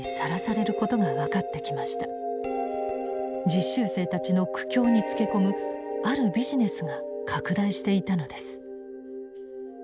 実習生たちの苦境につけ込むあるビジネスが拡大していたのです。